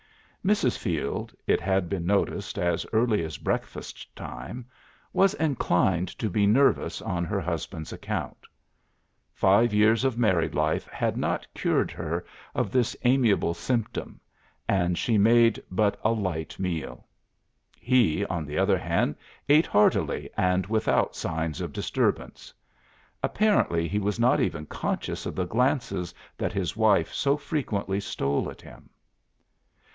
Mrs. Field, it had been noticed as early as breakfast time, was inclined to be nervous on her husband's account. Five years of married life had not cured her of this amiable symptom, and she made but a light meal. He, on the other hand, ate heartily and without signs of disturbance. Apparently he was not even conscious of the glances that his wife so frequently stole at him.